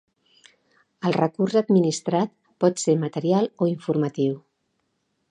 El recurs administrat pot ser material o informatiu.